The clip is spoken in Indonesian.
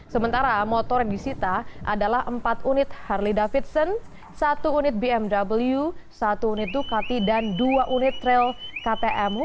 sementara motor yang disita adalah empat unit harley davidson satu unit bmw satu unit ducati dan dua unit trail ktm